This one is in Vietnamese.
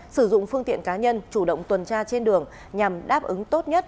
sử dụng phương tiện cá nhân chủ động tuần tra trên đường nhằm đáp ứng tốt nhất